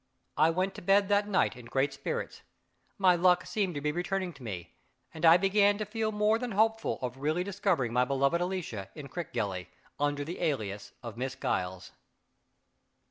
I went to bed that night in great spirits. My luck seemed to be returning to me; and I began to feel more than hopeful of really discovering my beloved Alicia at Crickgelly, under the alias of Miss Giles.